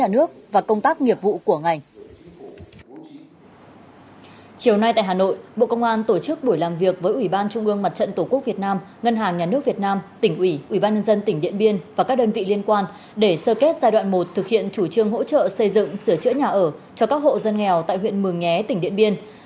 chiều nay tại hà nội bộ công an tổ chức buổi làm việc với ủy ban trung ương mặt trận tổ quốc việt nam ngân hàng nhà nước việt nam tỉnh ủy ủy ban nhân dân tỉnh điện biên và các đơn vị liên quan để sơ kết giai đoạn một thực hiện chủ trương hỗ trợ xây dựng sửa chữa nhà ở cho các hộ dân nghèo tại huyện mường nhé tỉnh điện biên